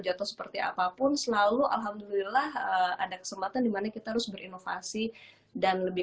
jatuh seperti apapun selalu alhamdulillah ada kesempatan dimana kita harus berinovasi dan lebih